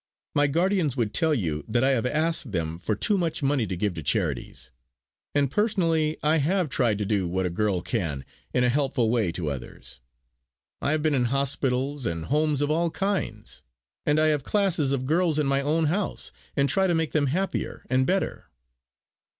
My guardians would tell you that I have asked them for too much money to give to charities; and personally I have tried to do what a girl can in a helpful way to others. I have been in hospitals and homes of all kinds; and I have classes of girls in my own house and try to make them happier and better.